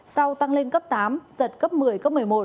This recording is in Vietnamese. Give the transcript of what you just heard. sau tăng lên cấp tám giật cấp một mươi cấp một mươi một